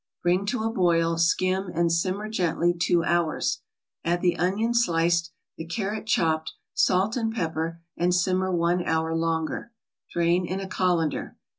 Bring to a boil, skim, and simmer gently two hours. Add the onion sliced, the carrot chopped, salt and pepper, and simmer one hour longer. Drain in a colander.